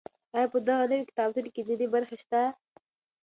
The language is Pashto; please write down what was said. آیا په دغه نوي کتابتون کې دیني برخې شته؟